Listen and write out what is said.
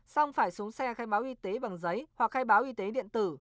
xong phải xuống xe khai báo y tế bằng giấy hoặc khai báo y tế điện tử